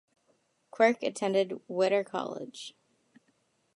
Quirk attended Whittier College.